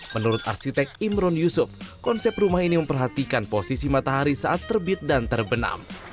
menurut arsitek imron yusuf konsep rumah ini memperhatikan posisi matahari saat terbit dan terbenam